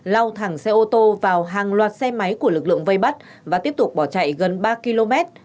lao thẳng xe ô tô vào hàng loạt xe máy của lực lượng vây bắt và tiếp tục bỏ chạy gần ba km